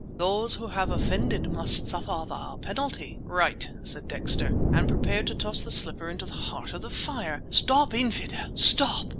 "Those who have offended must suffer the penalty!" "Right!" said Dexter—and prepared to toss the slipper into the heart of the fire! "Stop! Infidel! Stop!"